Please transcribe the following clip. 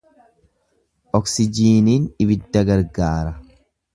Oksijiiniin ibidda gargaara.